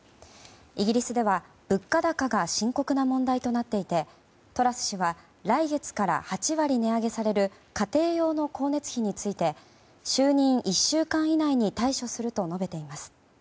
イギリスでは物価高が深刻な問題となっていてトラス氏は来月から８割値上げされる家庭用の光熱費について就任１週間以内に対処すると述べています。